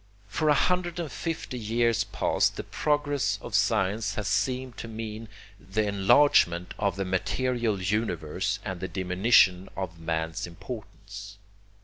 For a hundred and fifty years past the progress of science has seemed to mean the enlargement of the material universe and the diminution of man's importance.